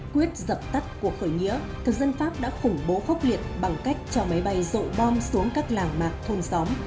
quyết dập tắt cuộc khởi nghĩa thực dân pháp đã khủng bố khốc liệt bằng cách cho máy bay rội bom xuống các làng mạc thôn xóm